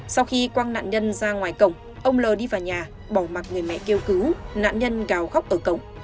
sau khi quang nạn nhân ra ngoài cổng ông l đi vào nhà bỏ mặt người mẹ kêu cứu nạn nhân gào khóc ở cổng